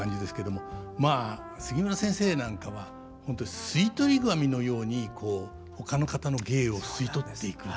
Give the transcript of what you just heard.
まあ杉村先生なんかは本当吸い取り紙のようにこうほかの方の芸を吸い取っていく。